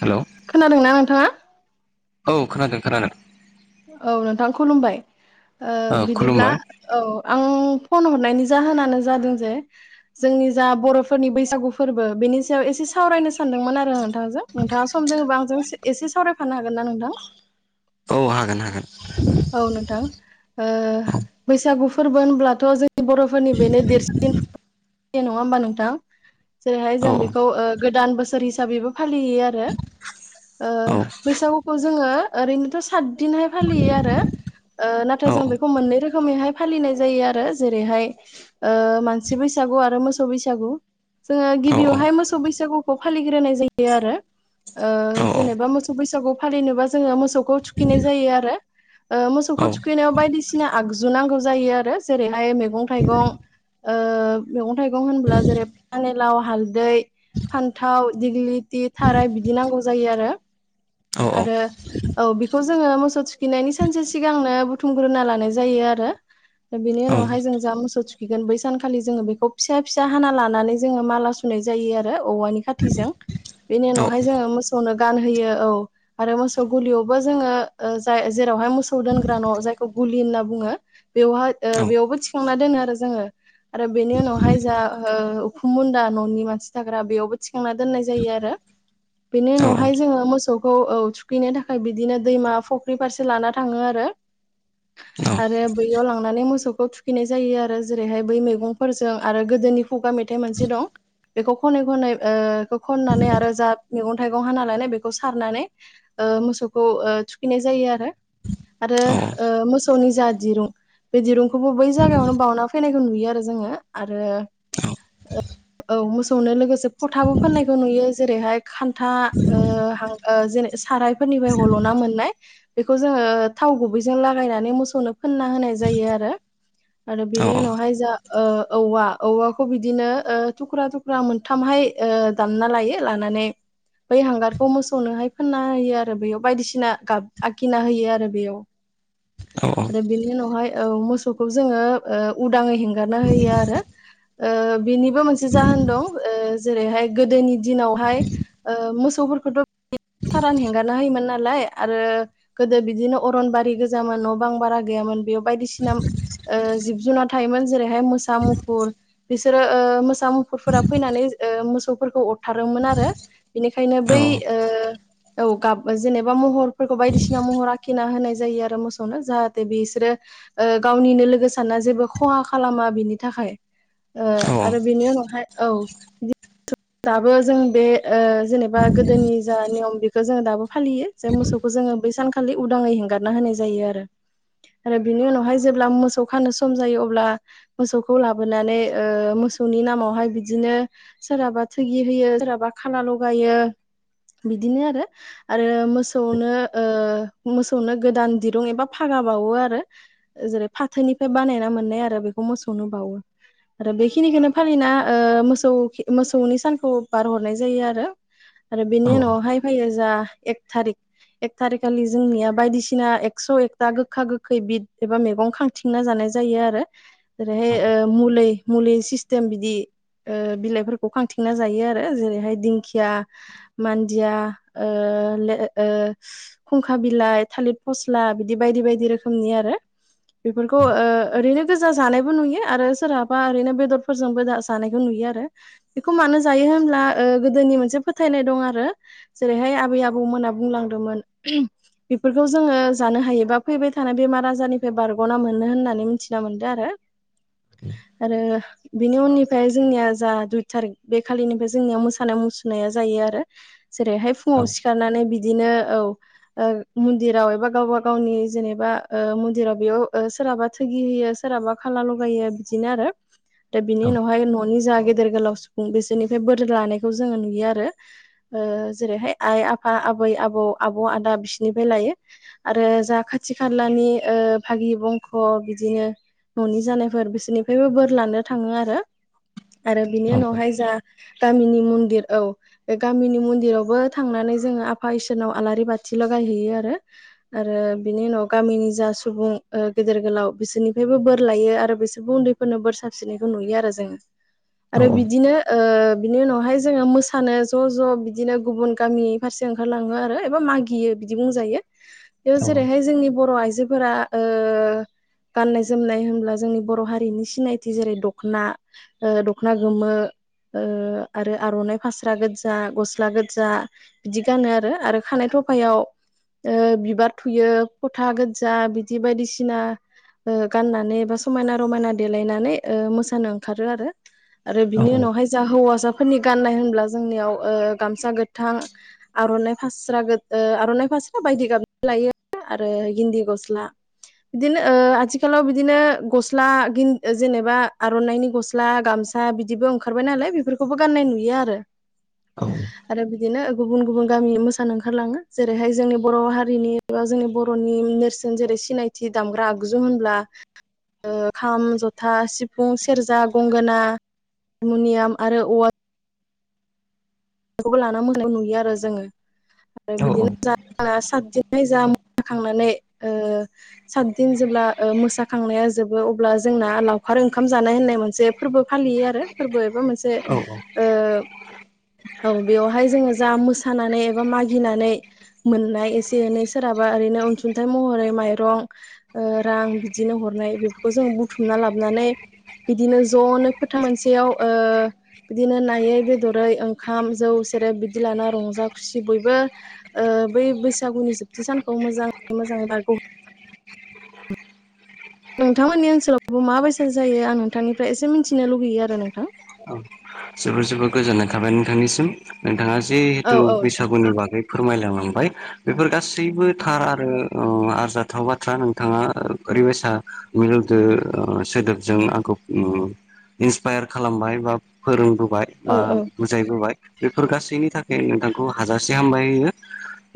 हेल' खोनादोंना नोंथाङा औ खोनादों खोनादों औ नोंथां खुलुमबाय औ बिदिब्ला खुलुमबाय औ आं फन हरनायनि जाहोनानो जादों जे जोंनि जा बर'फोरनि बैसागु फोरबो बेनि सायाव एसे सावरायनो सानदोंमोन आरो नोंथांजों नोंथाङा सम दोंबा आंजों एसे सावरायफानो हागोन ना नोंथां औ हागोन हागोन औ नोंथां बैसागुफोरबो होनब्लाथ' जों बर'फोरनि बेनो देरसिन फोरबो नङा होमबा नोंथां जेरैहाय औ जों बेखौ गोदान बोसोर हिसाबैबो फालियो आरो औ बैसागुखौ जोङो ओरैनोथ' सात बि फालियो आरो नाथाय औ जों बेखौ मोनै रोखोमैहाय फालिनाय जायो आरो जेरैहाय मानसि बैसागु आरो मोसौ बैसागु जोङो औ गिबियावहाय मोसौ बैसागुखौ फालिग्रोनाय जायो आरो औ जेनेबा मोसौ बैसागु फालिनोबा जोङो मोसौखौ थुखिनाय जायो आरो मोसौखौ औ थुखैनायाव बायदिसिना आगजु नांगौ जायो आरो जेरैहाय मैगं थाइगं मैगं थाइगं होनोब्ला जेरै पानिलाव हालदै फान्थाव दिग्लिथि थाराय बिदि नांगौ जायो आरो आरो औ बेखौ जोङो मो गिनायनि सानसे सिगांनो बुथुमग्रोना लानाय जायो आरो बेनि औ उनावहाय जों जा मोसौ थुखैगोन बै सानखालि जोङो बेखौ फिसा फिसा हाना लानानै जोङो माला सुनाय जायो आरो औवानि खाथिजों बेनि उनावहाय जोङो मोसौनो गानहोयो औ आरो मोसौ गुलियावबो जोङो जाय जेरावहाय मोसौ दोनग्रा न' जायखौ गुलि होनना बुङो बेवहाय बेयावबो थिखांना दोनो आरो जोङो आरो बेनि उनावहाय जा उखुम मुन्दा न'नि मानसि थाग्रा बेयावबो थिखांना दोननाय जायो आरो बेनि उनावहाय जोङो मोसौखौ औ थुखैनो थाखाय बिदिनो दैमा फ फ्रिफारसे लाना थाङो आरो औ आरो बैयाव लांनानै मोसौखौ थुखैनाय जायो आरो जेरैहाय बै मैगंफोरजों आरो गोदोनि खुगा मेथाइ मोनसे दं बेखौ खनै खनै ओ खननानै आरो जा मैगं-थाइगं हानालानाय बेखौ सारनानै ओ मोसौखौ ओ थुखैनाय जायो आरो आरो ओ मोसौनि जा दिरुं बे दिरुंखौबो बै जायागायावनो बावना फैनायखौ नुयो आरो जोङो आरो औ मोसौनो लोगोसे फथाबो फाननायखौ नुयो जेरैहाय खान्था ओ हां ओ जेने सारायफोरनिफ्राय हल'ना मोननाय बेखौ जोङो थाव गुबैजों लागायनानै मोसौनो फोनना होनाय जायो आरो आरो बेनि उनावहाय जा औवा औवाखौ बिदिनो थुख्रा थुख्रा फ्रा मोनथामहाय दामना लायो लानानै बै हांगारखौ मोसौनोहाय फोनना होयो आरो बेयाव बायदिसिना गाब आखिना होयो आरो बेयाव आरो बेनि उनावहाय औ मोसौ खौ जोङो ओ उदाङै हेंगारना होयो आरो। ओ बिनिबो मोनसे जाहोन दं ओ जेरैहाय गोदोनि दिनावहाय ओ मोसौफोरखौथ' थारान हेंगारना होयोमोन नालाय आरो गोदो बिदिनो अरनबारि गोजामोन न' बां बारा गैयामोन बेयाव बायदिसिना ओ जिब जुनार थायोमोन जेरैहाय मोसा, मुफुर बिसोरो ओ मोसा मुफुरफोरा फैनानै ओ मोसौफोरखौ अरथारोमोन आरो बिनिखायनो बै ओ औ गाब जेनेबा महरफोरखौ बायदिसिना महर आखिना होनाय जायो आरो मोसौनो जाहाथे बिसोरो ओ गावनिनो लोगो सानना जेबो खहा खालामा बिनि थाखाय। ओ आरो बेनि उनावहाय औ दाबो जों बे ओ जेनेबा गोदोनि जा नियम बेखौ जोङो दाबो फालियो। जे मोसौखौ जोङो बै सानखालि उदाङै हेंगारना होनाय जायो आरो। आरो बिनि उनावहाय जेब्ला मोसौ खानो सम जायो अब्ला मोसौखौ लाबोनानै ओ मोसौनि नामावहाय बिदिनो सोरहाबा थोगि होयो सोरहाबा खाला लगायो बिदिनो आरो आरो मोसौनो ओ मोसौनो गोदान दिरुं एबा फागा बावो आरो। जेरै फाथोनिफ्राय बानायना मोननाय आरो बेखौ मोसौनो बावो। आरो बेखिनिखोनो फालिना ओ मोसौ खि ओ मोसौनि सानखौ बारहोहरनाय जायो आरो आरो बेनि उनावहाय फैयो जा एक थारिक एक थारिखालि जोंनिया बायदिसिना एकस' एकथा गोखा गोखै बिद एबा मैगं खां थिंना जानाय जायो आरो जेरैहाय ओ मुलै मुलि सिस्टेम बिदि ओ बिलाइफोरखौ खांथि ना जायो आरो जेरैहाय दिंखिया मान्दिया ओ ले ओ खुंखा बिलाइ थालिर फस्ला बिदि बायदि बायदि रोखोमनि आरो बेफोरखौ ओ ओरैनो गोजा जानायबो नुयो आरो सोरहाबा ओरैनो बेदरफोरजोंबो जानायखौ नुयो आरो। बेखौ मानो जायो होनब्ला ओ गोदोनि मोनसे फोथायनाय दं आरो। जेरैहाय आबै आबौमोनहा बुंलांदोंमोन बेफोरखौ जोङो जानो हायोबा फैबाय थानाय बेमार आजारनिफ्राय बारग'ना मोनो होननानै मिथिना मोनदो आरो। आरो बेनि उननिफ्राय जोंनिया जा दुइ थारिक बे खालिनिफ्राय जोंनिया मोसानाय मुसुरनाया जायो आरो जेरैहाय फुङाव सिखारनानै बिदिनो औ ओ मन्दिराव एबा गावबा गावनि जेनेबा ओ मन्दिराव बेयाव ओ सोरहाबा थोगि होयो सोरहाबा खाला लगायो बिदिनो आरो दा बिनि उनावहाय न'नि जा गेदेर गोलाव सु बुं बिसोरनिफ्राय बोर लानायखौ जोङो नुयो आरो। ओ जेरैहाय आइ आफा, आबै आबौ, आब' आदा बिसोरनिफ्राय लायो। आरो जा खाथि खालानि ओ भागि बंख' बिदिनो न'नि जानायफोर बिसोरनिफ्रायबो बोर लानो थाङो आरो आरो बिनि उनाव फाय जा गामिनि मन्दिर औ। बे गामिनि मन्दिरावबो थांनानै जोङो आफा इसोरनाव आलारि बाथि लगायहैयो आरो आरो बिनि उनाव गामिनि जा सुबुं गेदेर गोलाव बिसोरनिफ्रायबो बोर लायो आरो बिसोरबो उन्दै फोरनो बोर साबसिननायखौ नुयो आरो जोङो आरो बिदिनोओ ओ बिनि उनावहाय जोङो मोसानो ज' ज' बिदिनो गुबुन गामि फारसे ओंखारलाङो आरो एबा मागियो बिदि बुंजायो बेयाव जेरैहाय जोंनि बर' आइजोफोरा ओ गाननाय जोमनाय होनोब्ला जोंनि बर' हारिनि सिनायथि जेरै दख'ना ओ दख'ना गोमो ओ आरो आर'नाइ फास्रा गोजा गस्ला गोजा। बिदि गानो आरो आरो खानाय थफायाव बिबार थुयो फथा गोजा बिदि बायदिसिना ओ गाननानै एबा समायना रमायना देलायनानै ओ मोसानो ओंखारो आरो बिनि उनावहाय जा हौवासाफोरनि गाननाय होनब्ला जोंनियाव ओ गामसा गोथां आर'नाइ फास्रा आर'नाइ फास्रा बायदि गाबजों लायो। आरो गिन्दी गस्ला। बिदिनो ओ आथिखालाव बिदिनो गस्ला जेनेबा आर'नाइनि गस्ला गामसा बि बिदिबो ओंखारबाय नालाय बेफोरखौबो गाननाय नुयो आरो। औ। आरो बिदिनो गुबुन गुबुन गामि मोसानो ओंखारलाङो जेरैहाय जोंनि बर' हारिनि एबा जोंनि बर'नि नेरसोन जेरै सिनायथि दामग्रा आगजु होनब्ला खाम जथा सिफुं सेरजा गंगोना मनियाम आरो वत। लानानाय नुयो आरो जोङो आरो बिदिनो सा क जेनाय जाम जाखांनानै ओ सातदिन जेब्ला ओ मोसाखांनाया जोबो अब्ला जोंना लावखार ओंखाम जानाय होननाय मोनसे फोरबो फालियो आरो फोरबो एबा मोनसे औ औ ओ औ बेवहाय जोङो जा मोसानानै एबा मागिनानै मोननाय एसे एनै सोरहाबा ओरैनो अनसुंथाइ महरै माइरं ओ रां बिदिनो हरनाय बेफोरखौ जों बुथुमना लाबोनानै बिदिनो ज'नो फोथा मोनसेयावोओ बिदिनो नायै बेदरै ओं ओंखाम जौ सेरेब बिदि लाना रंजा खुसि बयबो ओ बै बैसागुनि जोबथि सानखौ मोजाङै मोजाङै दारग होयो। नोंथांमोननि ओनसोलावबो माबायसाद जायो आं नोंथांनिफ्राय एसे मिन्थिनो लुगैयो आरो नोंथां। औ जोबोर जोबोर गोजोननाय थाबाय नोंथांनिसिम नोंथाङा जिहेथु औ औ नोंथां बैसागुनि बागै फोरमायलांलांबाय। बेफोर गासैबो थार आरो आरजाथाव बाथ्रा नोंथाङा ओरैबायसा मिलौदो सोदोबजों आंखौ इन्सपायार खालामबाय बा फोरोंबोबाय औ बा बुजायबोबाय बेफोर गासैनि थाखाय नोंथांखौ हाजासे हामबाय होयो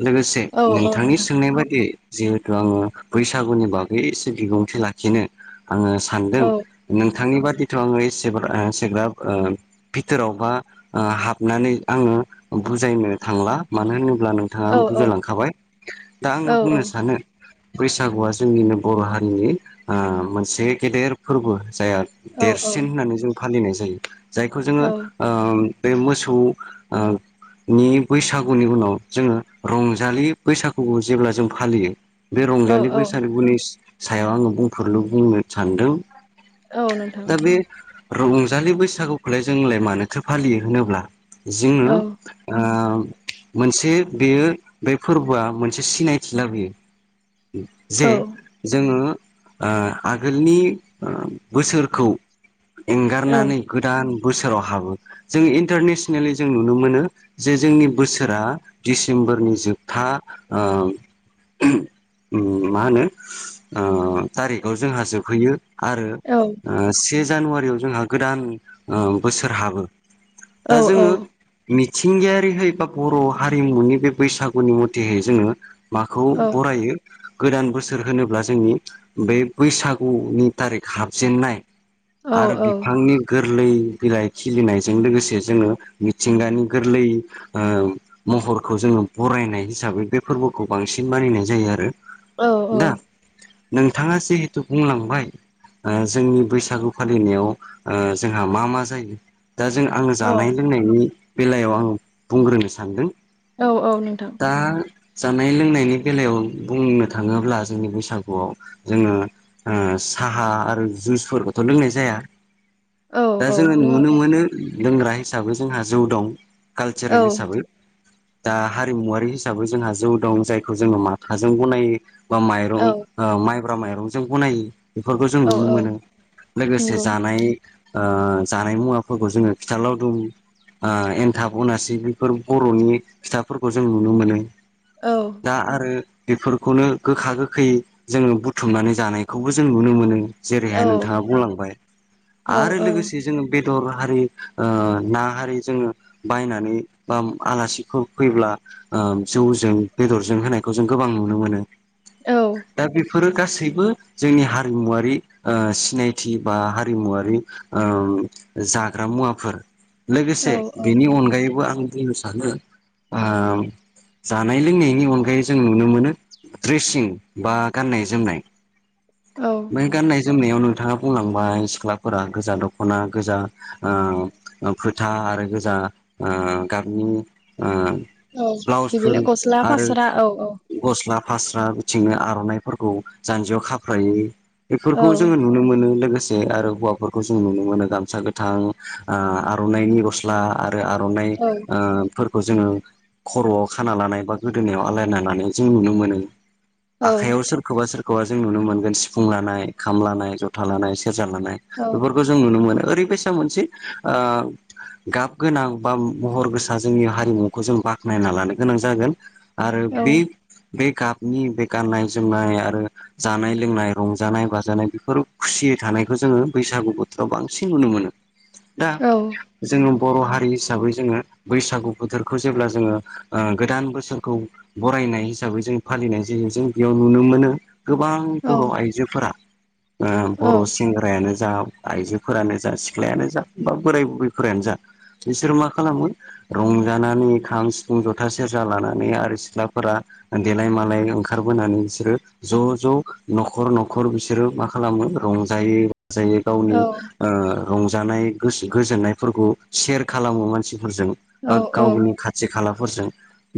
लोगोसे औ औ नोंथांनि नोंथां सोंनाय बाददि? जिहेथु आङो बैसागुनि बागै एसे बिबुंथि लाखिनो आङो सानदों! औ नोंथांनि बादिथ' आङो एसे सेग्राब ओ भिथोरावबा हाबनानै आङो बुजायनो थांला मानो होनोब्ला औ थाङा औ जालांखाबाय दा औ आङो औ बुंनो सानो। बैसागुआ जोंनिनो बर' हारिनि ओ मोनसे गेदेर फोरबो जायहा औ देरसिन होननानै जों फालिनाय जायो जायखौ जोङो औ ओ बे मोसौ ओ नि बैसागुनि उनाव जोङो रंजालि बैसागुखौ जेब्ला जों फालियो। बे औ रंजालि औ बैसागुनि सायाव आङो बुंफोरल' बुंनो सानदों। औ नोंथां दा बे रंजालि बैसागुखौलाय जोंलाय मानोथो फालियो होनोब्ला औ जोङो मोनसे बेयो बे फोरबोआ मोनसे सिनायथि लाबोयो। औ जे जोङो आगोलनि बोसोरखौ। औ एंगारनानै गोदान बोसोराव हाबो जों इन्टारनेसनेलि जों नुनो मोनो जे जोंनि बोसोरा डिसेम्बरनि जोबथा मा होनो? ओ थारिखआव जोंहा जोबहैयो। आरो औ से जानुवारियाव जोंहा गोदान ओ बोसोर हाबो औ दा जोङो मिथिंगायारिहै बा बर' हारिमुनि बे बैसागुनि मथेहै जोङो माखौ औ बरायो गोदान बोसोर होनोब्ला जोंनि बे बैसागुनि थारिख हाबजेननाय औ आरो बिफांनि गोरलै बिलाइ खिलिनायजों लोगोसे जोङो मिथिंगानि गोरलै महरखौ जोङो बरायनाय हिसाबै बे फोरबोखौ बांसिन मानिनाय जायो आरो। औ दा। नोंथाङा जिहेथु बुंलांबाय जोंनि बैसागु फालिनायाव जोंहा मा मा जायो दा जों आङो जानाय लोंनायनि बेलायाव आं बुंग्रोनो सानदों औ औ नोंथां। दा जानाय लोंनायनि बेलायाव बुंनो थाङोब्ला जोंनि बैसागुआव जोङो साहा आरो जुइसफोरखौथ' लोंनाय जाया। औ दा औ जोङो नुनो लोङाथ' मोनो। लोंग्रा हिसाबै जोंहा जौ दं औ कालसारेल हिसाबै दा हारिमुवारि हिसाबै जोंहा जौ दं जायखौ जोङो म थाजों बनायो बा माइरं। औ माइब्रा माइरंजों बनायो बेफोरखौ जों औ नुनो औ मोनो लोगोसे नंगौ जानाय। जानाय मुवाफोरखौ जोङो खिथालाव दं। एन्थाब अनासि बेफोर बर'नि फिथाफोरखौ जों नुनो मोनो। औ। दा आरो बेफोरखौनो गोखा गोखै जोङो बुथुमनानै जानायखौबो जों नुनो मोनो। औ जेरैहाय नोंथाङा बुंलांबाय। औ आरो लोगोसे जोङो बेदर हारि ना हारि जोङो बायनानै बा आलासिफोर फैब्ला। जौजों बेदरजों होनायखौ जों गोबां नुनो मोनो औ। दा बेफोरो गासैबो जोंनि हारिमुवारि सिनायथि बा हारिमुवारि जाग्रा मुवाफोर औ लोगोसे बेनि अनगायैबो आं। जों सानो जानाय लोंनायनि अनगायै जों नुनो मोनो द्रेसिं बा गान्नाय जोमनाय औ। बै गाननाय जोमनायाव नोंथाङा बुंलांबाय सिख्लाफोरा गोजा दख'ना गोजा फोथा आरो गोजा गाबनि औ ब्लाउसफोर बिदिनो गस्ला आरो फासरा औ औ। गस्ला फास्रा बिथिंनो आर'नाइफोरखौ जान्जियाव खाफ्र्रायो औ बेफोरखौ जोङो नुनो मोनो लोगोसे आरो हौवाफोरखौ जों नुनो मोनो गामसा गोथां आर'नाइनि। सिख्ला आरो आर'नाइ। औ फोरखौ जोङो खर'आव खाना लानाय बा गोदोनायाव आलायना लानाय जों नुनो मोनो। औ आखाइयाव सोरखौबा सोरखौबा जों नुनो मोनगोन सिफुं लानाय खाम लानाय जथा लानाय सेरजा लानाय। औ खौ जों नुनो मोनो ओरैबायसा मोनसे। गाब गोनां बा महर गोसा जोंनि हारिमुखौ जों बाख्नायना लानो गोनां जागोन। आरो औ बे बे गाबनि बे गाननाय जोमनाय आरो। जानाय लोंनाय रंजानाय बाजानाय बेफोर खुसियै थानायखौ जोङो बैसागु बोथोराव बांसिन नुनो मोनो दा औ जोंङो बर' हारि हिसाबै जोंङो बैसागु बोथोरखौ जेब्ला जोंङो ओ गोदान बोसोरखौ बरायनाय हिसाबै जों फालिनाय जायो जों बेयाव नुनो मोनो गोबां बर' आइजोफोरा ओ बर' सेंग्रायानो जा आइजोफोरानो जा सिख्लायानो जा बा बोराय बुरैफोरानो जा बिसोर मा खालामो। रंजानानै खाम सिफुं जथा सेरजा लानानै आरो सिख्लाफोरा। देलाय मालाय ओंखारबोनानै बिसोरो ज' ज' न'खर न'खर बिसोरो मा खालामो रंजायो बाजायो औ गावनि ओ रंजानाय गोसो गोजोननायफोरखौ सेयार खालामो मानसिफोरजों बा औ गावनि खाथि खालाफोरजों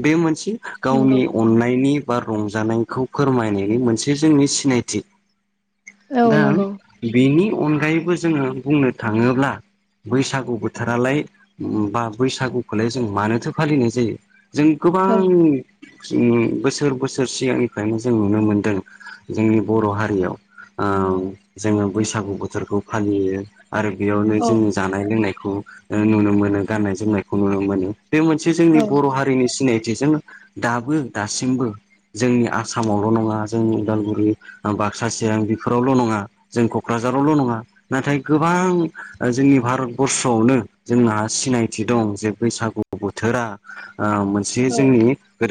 बे मोनसे नंगौ गावनि अननायनि बा रंजानायखौ फोरमायनायनि मोनसे जोंनि सिनायथि औ दा नंगौ बेनि अनगायैबो जोंङो बुंनो थांङोब्ला बैसागु बोथोरालाय बा बैसागुखौलाय जों मानोथो फालिनाय जायो जों गोबां औ उम बोसोर बोसोर सिगांनिफ्रायनो जों नुनो मोनदों जोंनि बर' हारियाव ओं जोंङो बैसागु बोथोरखौ फालियो आरो बेयावनो औ जोंनि जानाय लोंनायखौ ओ नुनो मोनो गाननाय जोमनायखौ नुनो मोनो बे मोनसे जोंनि औ बर' हारिनि सिनायथिजों दाबो दासिमबो जोंनि आसामावल' नंङा जोंनि उदालगुरि बाक्सा चिरां बेफोरावल' नंङा जों क'क्राझारावल' नंङा नाथाय गोबां जोंनि भारतबर्सआवनो जोंहा सिनायथि दं जे बैसागु बोथोरा ओ मोनसे औ जोंनि गोदान